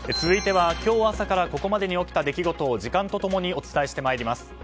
続いては今日朝からここまでに起きた出来事を時間と共にお伝えしてまいります。